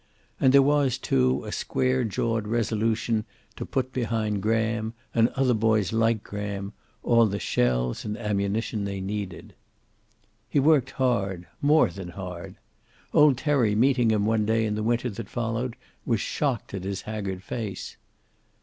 And there was, too, a square jawed resolution to put behind Graham, and other boys like Graham, all the shells and ammunition they needed. He worked hard; more than hard. Old Terry, meeting him one day in the winter that followed, was shocked at his haggard face.